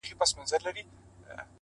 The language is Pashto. موخه لرونکی ذهن د ګډوډۍ نه وځي